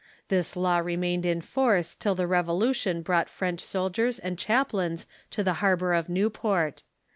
This law remained in force till the Revolution brought French soldiers and chaplains to the harbor of Newport.